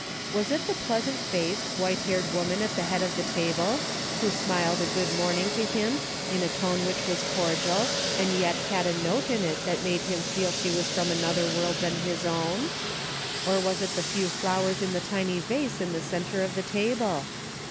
Was it the pleasant faced, white haired woman at the head of the table, who smiled a good morning to him in a tone which Avas cordial and yet had a note in it that made him feel she was from another Avorld than his OAvn ? Or Avas it the few flowers in the tiny vase in the centre of the table?